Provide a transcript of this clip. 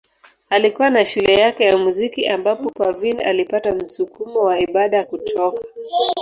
Alikuwa na shule yake ya muziki ambapo Parveen alipata msukumo wa ibada kutoka.